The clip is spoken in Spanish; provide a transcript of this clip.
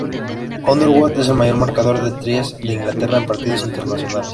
Underwood es el mayor marcador de tries de Inglaterra en partidos internacionales.